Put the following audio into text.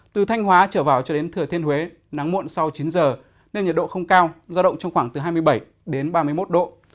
từ thanh hóa trở vào cho đến thừa thiên huế nắng muộn sau chín giờ nên nhiệt độ không cao do động trong khoảng từ hai mươi bảy đến ba mươi một độ